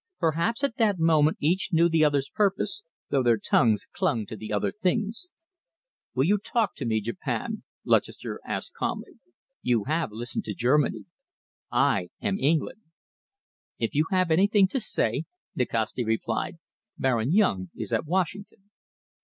Perhaps at that moment each knew the other's purpose, though their tongues clung to the other things. "Will you talk to me, Japan?" Lutchester asked calmly. "You have listened to Germany. I am England." "If you have anything to say," Nikasti replied, "Baron Yung is at Washington."